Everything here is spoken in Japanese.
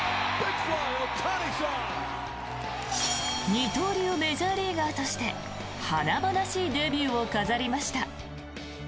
二刀流メジャーリーガーとして華々しいデビューを飾りました。